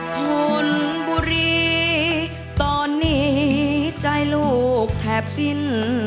ทนบุรีตอนนี้ใจลูกแทบสิ้น